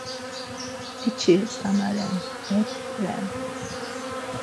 Eçi tzane ren ek ren.